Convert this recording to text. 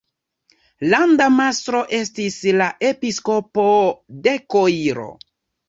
Landa mastro estis la episkopo de Koiro.